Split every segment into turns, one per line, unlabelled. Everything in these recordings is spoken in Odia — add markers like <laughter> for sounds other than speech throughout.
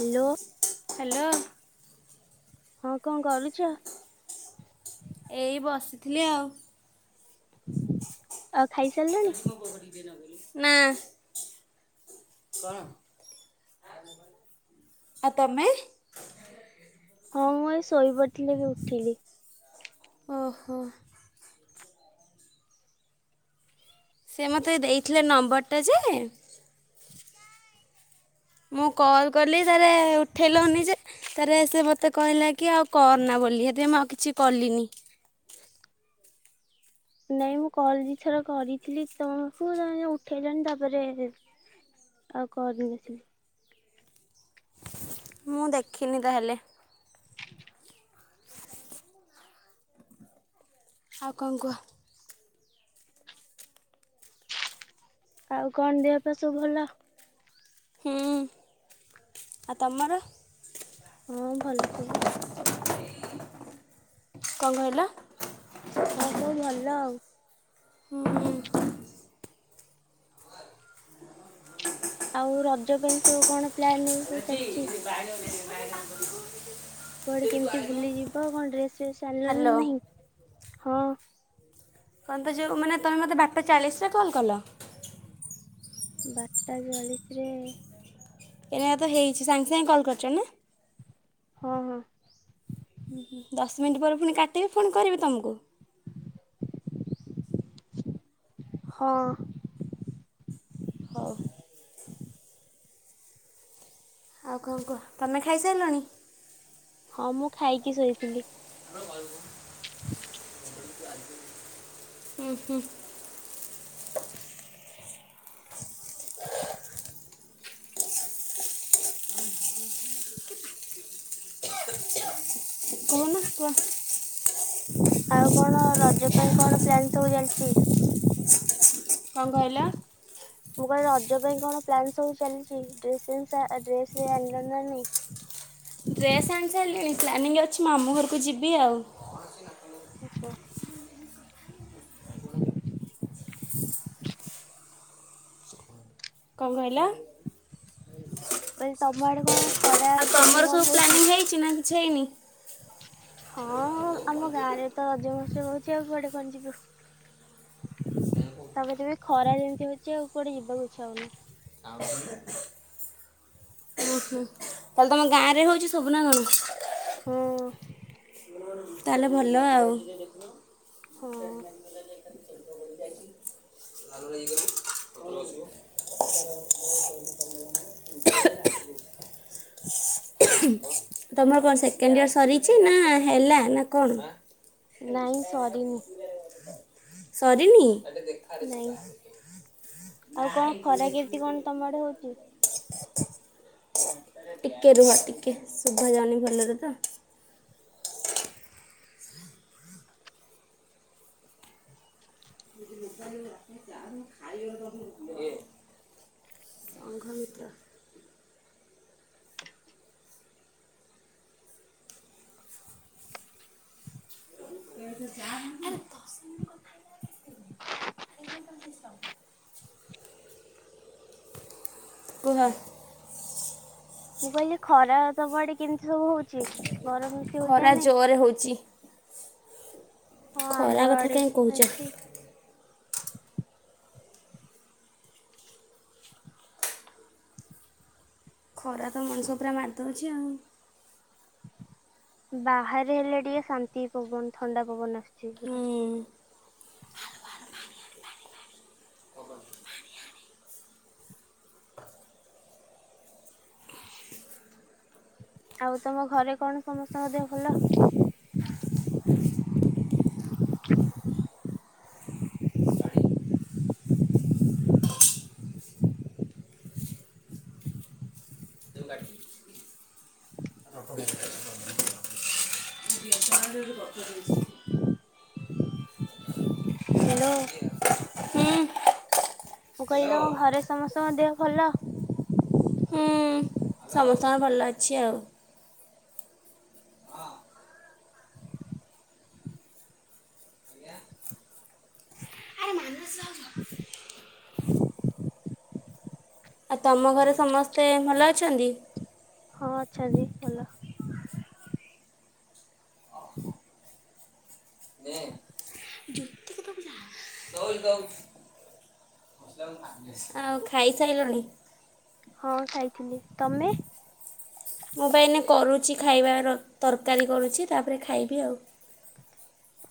ହାଲୋ।
ହ୍ୟାଲୋ।
ହଁ କଣ କରୁଛ?
ଥିଲେ ଆଉ।
ଆଉ
<inaudible>
ଖାଇସାରିଲଣି?
ଏଠ ମୁ ବଖଡ଼ି ଦେନବେ ନା କଣ ଆ ତମେ
ହଁ ମୁ ଏ ଶୋଇ ପଡିଥିଲେ ଏବେ ଉଠିଲି
ଓହୋ। ସେ ମୋତେ ଦେଇଥିଲେ ନମ୍ବରଟା ଯେ ମୁଁ କଲ୍ କଲି ତାରେ ଉଠେଇଲନି ଯେ ତରେ ସେ ମୋତେ କହିଲା କି ଆଉ କରନା ବୋଲି ହେଥିପାଇ ମୁଁ ଆଉ କିଛି କଲିନି
ନାଇଁ ମୁଁ କଲ ଦି ଥର କରିଥିଲି ତମକୁ ଉଠେଇଲାଣି ତାପରେ ଆଉ କରିନଥିଲି।
ମୁଁ ଦେଖିନି ତାହେଲେ ଆଉ କଣ କୁହ
ଆଉ କଣ ଦିହ ପା ସବୁ ଭଲ
ହୁଁ <inaudible> ଆଉ ତମର
ହଁ ଭଲ ସବୁ।
<inaudible> କଣ କହିଲ।
ହଁ ସବୁ ଭଲ ଆଉ
ହୁଁ।
ଆଉ ରଜ ପାଇଁ ସବୁ କଣ ପ୍ଲାନ ଏବେ ସବୁ ଚାଲିଛି।
<unintelligible>
କୁଆଡେ କେମିତି ବୁଲିଯିବ କଣ ଡ୍ରେସ ଫେସ ଆଣିଲଣି ନା
ହ୍ୟାଲୋ
ନାହିଁ। ହଁ।
କହ ତ ଯୋଉ ମାନେ ତମେ ମତେ ବାରଟା ଚାଳିଶ ରେ କଲ କଲ <inaudible>
ବାରଟା ଚାଳିଶିରେ
ଏନ ତ ହେଇଛି ସାଙ୍ଗେ ସାଙ୍ଗେ କଲ୍ କରିଛ ନା
ହଁ ହଁ।
ଦଶ ମିନିଟ୍ ପରେ ଫୁଣି କାଟିବି ଫୁଣି କରିବି ତମକୁ
<inaudible> ହଁ। <inaudible>
ହୋଉ। ଆଉ କଣ କୁହ ତମେ ଖାଇସାରିଲଣି।
ହଁ ମୁଁ ଖାଇକି ଶୋଇଥିଲି।
<unintelligible> ହୁଁ ହୁଁ <inaudible> କହୁନ କୁହ।
ଆଉ କଣ ରଜ ପାଇଁ କଣ ପ୍ଲାନ ସବୁ ଚାଲିଛି।
କଣ କହିଲ
ମୁଁ କହିଲି ରଜ ପାଇଁ କଣ ପ୍ଲାନ୍ ସବୁ ଚାଲିଚି ଡ୍ରେସିଂସା ଡ୍ରେସ ଆଣିଲ ନାଁ ନାହିଁ।
ଡ୍ରେସ୍ ଆଣି ସାରିଲିଣି ପ୍ଲାନି ଅଛି ମାମୁଁ ଘରକୁ ଯିବି ଆଉ।
ଓହୋ <inaudible>
କଣ କହିଲ
କହିଲେ ତମ ଆଡେ କଣ ଖରା
ଆଉ
କେମିତି
ତମର
କଣ
ସବୁ
ହଉଛି?
ପ୍ଲାନିଂ ହେଇଛି ନାଁ ଛି ହେଇନି।
ହଁ ଆମ ଗାଁରେ ତ ରଜ ମହୋତ୍ସବ ହଉଛି। ସିଏ କୁଆଡେ କଣ ଯିବ <inaudible> ତମେ ତବେ ଖରା ଯେମିତି ହଉଛି ଆଉ କୁଆଡେ ଯିବାକୁ ଇଚ୍ଛା ହଉନି। <inaudible>
ଓ ହଁ ତାହେଲେ ତମ ଗାଁ ରେ ହଉଛି ସବୁ ନା କଣ?
ହୁଁ।
ତାହେଲେ ଭଲ ଆଉ
ହଁ
<unintelligible> <unintelligible> ତମର କଣ ସେକେଣ୍ଡ ଇୟର ସରିଛି ନା ହେଲା। ନା କଣ
ନାଇଁ ସରି ନି।
ସରିନି ଆଇ ଟିକେ ଦେଖା
ନାଇଁ।
ଦେଖିବୁ
ଆଉ
ଆ
କଣ ଖରା କେମିତି କଣ ତମ ଆଡେ ହଉଛି?
<unintelligible> ଟିକେ ରୁହ ଟିକେ ଶୁଭା ଯାାଉନି ଭଲରେ ତ। <unintelligible> ସଂଘମିତ୍ରା <inaudible> କୁହ
ମୁଁ କହିଲି ଖରା ତମ ଆଡ଼େ କେମିତି ସବୁ ହଉଛି? ଗରମ ବେଶୀ ହଉଛି ନା
ଖରା
ନାଇଁ?
ଜୋରେ ହେଉଛି।
ହଁ ଆମ
ଖରା କଥା
ଆଡେ ବି
କାହିଁ କହୁଛ।
ସେମିତି।
ଖରା ତ ମଣିଷ ପୁରା ମାରିଦଉଛି ଆଉ।
ବାହାରେ ହେଲେ ଟିକେ ଶାନ୍ତି ପବନ ଥଣ୍ଡା ପବନ ଆସୁଛି ପୁରା
ହୁଁ
ଆଉ ତମ ଘରେ କଣ ସମସ୍ତଙ୍କ ଦେହ ଭଲ? ହ୍ୟାଲୋ
ହୁଁ
ମୁଁ କହିଲି ତମ ଘରେ ସମସ୍ତଙ୍କ ଦେହ ଭଲ?
ହୁଁ ସମସ୍ତଙ୍କର ଭଲ ଅଛି ଆଉ। ଆଉ ତମ ଘରେ ସମସ୍ତେ ଭଲ ଅଛନ୍ତି?
ହଁ ଅଛନ୍ତି ଭଲ।
ଆଉ ଖାଇସାରିଲଣି?
ହଁ ଖାଇଥିଲି ତମେ?
ମୁଁ ପାଇଁନ କରୁଛି ଖାଇବାର ତରକାରୀ କରୁଛି ତାପରେ ଖାଇବି ଆଉ।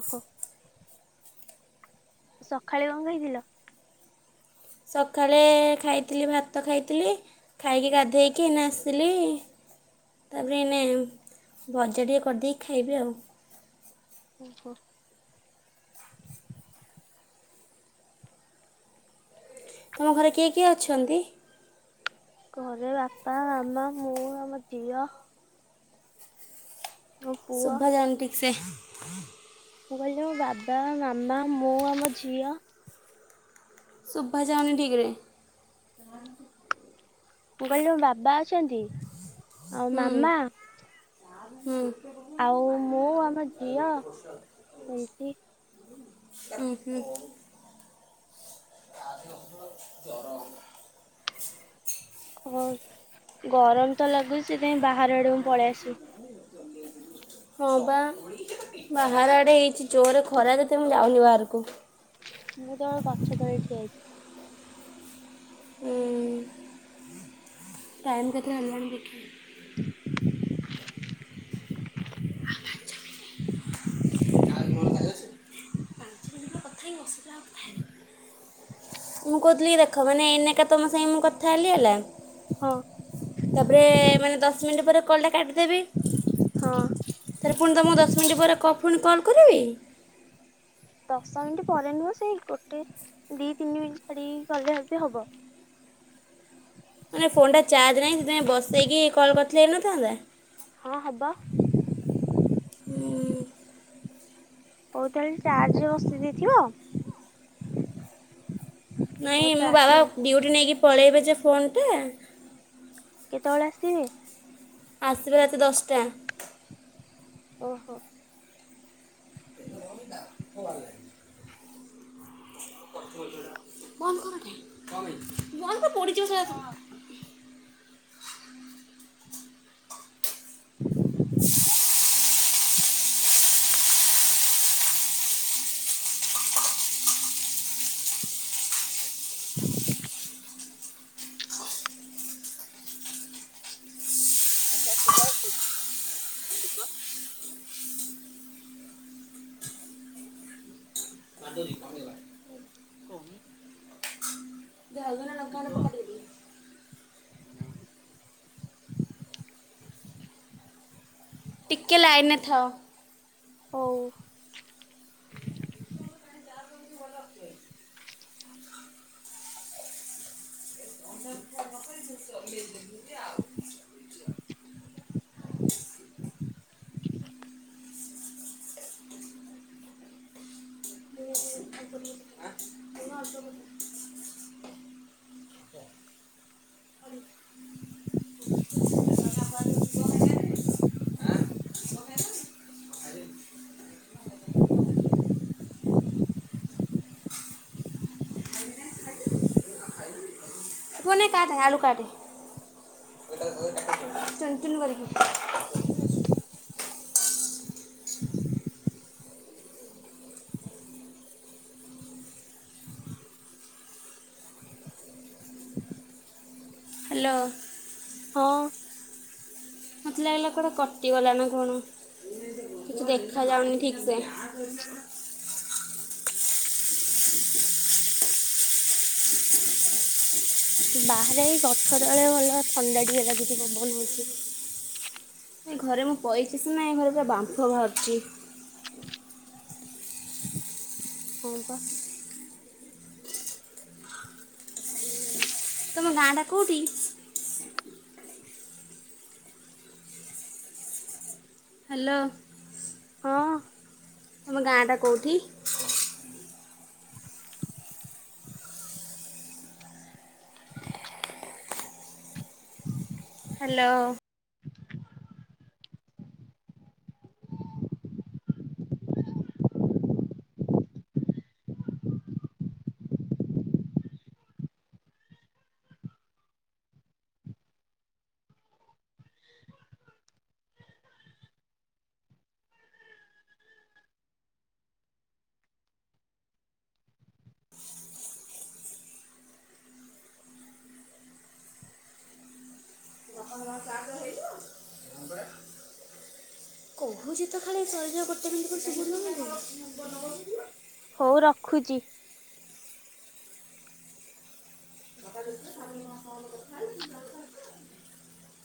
ଓହୋ ସକାଳେ କଣ ହେଇଥିଲ?
ସକାଳେ ଖାଇଥିଲି ଭାତ ଖାଇଥିଲି ଖାଇକି ଗାଧେଇକି ଏଇନେ ଆସିଥିଲି ତାପରେ ଏଇନେ ଭଜା ଟିକେ କରିଦେଇକି ଖାଇବି ଆଉ।
ଓହୋ
ତମ ଘରେ କିଏ କିଏ ଅଛନ୍ତି?
ଘରେ ବାପା ମାମା ମୁଁ ଆମ ଝିଅ ମୋ ପୁଅ।
ଶୁଭଜାନ ଠିକ୍ ସେ ହଁ
ମୁଁ କହିଲି ମୋ ବାବା ମାମା ମୁଁ ଆମ ଝିଅ
ଶୁଭାାଯାଉନି ଠିକରେ
ମୁଁ କହିଲି ବାବା ଅଛନ୍ତି। ଆଉ
ହୁଁ
ମାମା
ହୁଁ
ଆଉ ମୁଁ ଆମ ଝିଅ ସେମିତି
ହୁଁ ହୁଁ
ହ ଗରମ ତ ଲଗୁ ଛି ସେଥିପାଇଁ ବା ପଡ଼ଡ ପଳେଇ ଆସୁ
ହଁ ବା ବାହାର ଆଡ଼େ ହେଇଛି ଜୋରରେ ଖରା ଯେତେ ମୁଁ ଯାଉନି ବାହାରକୁ।
ମୁଁ ତର ଗଛ ତର ଠିଆଇଛି
ଏ ଟାଇମ କେତେ ଆଣି ଦେଖିଲୁ?
<inaudible>
ମୁଁ କହୁଥିଲି କି ଦେଖ ମାନେ ଏନକା ତମ ସାଙ୍ଗେ ମୁଁ କଥା ହେଲି ହେଲା।
ହଁ
ତାପରେ ମାନେ ଦଶ ଦଶ ମିନିଟ୍ ପରେ କଲଟା କାଟିଦେବବି।
ହଁ
ଆରେ ପୁଣି ତ ମୁ ଦଶ ମିନିଟ୍ ପରେ କ୍ ପୁଣି କଲ କରିବି?
ଦଶ ମିନିଟ ପରେ ନୁହଁ ସେଇ ଗୋଟେ ଦି ତିନି ମିନିଟ ଛାଡିକି କଲେ ବି ହବ।
<unintelligible> କି କଲ କରିଥିଲେ ହେଇନଥାନ୍ତା?
ହଁ ହବ।
ଉଁ
ହଉ ତାହେଲେ ଚାର୍ଜରେ ବସେଇ ଦେଇଥିବ
ନାଇଁ
ହଉ
ମୋ ବାବା
ଚାର୍ଜ
ଡ୍ୟୁଟି ନେଇକି ପଳେଇବେ। <unintelligible> ଫୋନ ଟା।
କେତେବଳେ ଆସିବେ?
ଆସିବେ ରାତି ଦଶଟା।
ଓହୋ
<unintelligible> <unintelligible> ବନ୍ଦ କର ପୋଡି ଯିବ ସେ ଗୁଡା ସବୁ। <inaudible>
ଆଚ୍ଛା ଶୁଭ ଅଛି ଶୁଭ
<unintelligible> ହୁଁ
କହୁନୁ
ଧନିଆ ଲଙ୍କା
ତୁ
ଗୁଣ୍ଡ
କହ।
ପକା ଟିକେ ଟିକେ। ଟିକେ ଲାଇନ ରେ ଥାଅ।
ହଉ। <unintelligible>
ପୁଅ ନେ କାଟେ ଆଳୁ କାଟେ ଚୁନ ଚୁନ କରିକି। ହାଲୋ।
ହଁ।
ମତେ ଲାଗିଲା କୁଆଡେ କଟିଗଲା ନା କଣ କିଛି ଦେଖା ଯାଉନି ଠିକ ସେ।
ବାହାରେ ଏଇ ଗଛ ତଳେ ଭଲ ଥଣ୍ଡା ଟିକେ ଲାଗୁଚି ପବନ ହଉଛି।
ଏ ଘରେ ମୁଁ ପଇଚି ସିନା ଏ ଘରେ ପୁରା ବାମ୍ଫ ବାହାରୁଛି।
ହଁ ବା।
ତମ ଗାଁ ଟା କୋଉଠି? ହାଲୋ।
ହଁ।
ତମ ଗାଁ ଟା କୋଉଠି?
<unintelligible>
ହାଲୋ। କହୁଛି ତ ଖାଲି ସହଯୋଗ କରୁଛ ବୋଲି <unintelligible>
ହଉ ରଖୁଚି।
<unintelligible>